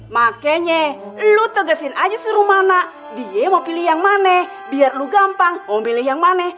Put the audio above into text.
makanya lo tegasin aja suruh mana dia mau pilih yang mana biar lu gampang mau pilih yang mana